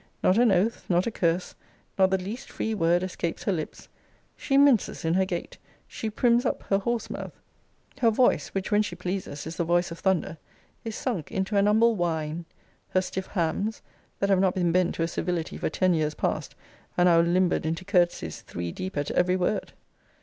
Not an oath, not a curse, nor the least free word, escapes her lips. She minces in her gait. She prims up her horse mouth. Her voice, which, when she pleases, is the voice of thunder, is sunk into an humble whine. Her stiff hams, that have not been bent to a civility for ten years past, are now limbered into courtesies three deep at ever word.